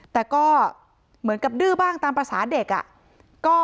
แต่ก็เหมือนกับดื้อบ้างตามภาษาเด็ก